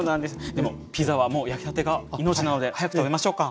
でもピザはもう焼きたてが命なので早く食べましょうか。